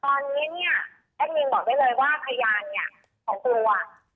ตอนนี้เนี่ยแอดมินบอกได้เลยว่าพยานเนี่ยของตัว